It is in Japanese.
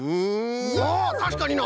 あったしかにな！